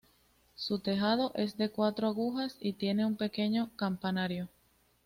Su tejado es de cuatro aguas y tiene un pequeño campanario.